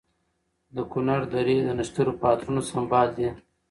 د کنر درې د نښترو په عطرونو سمبال دي.